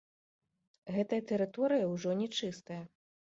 Гэтая тэрыторыя ўжо не чыстая.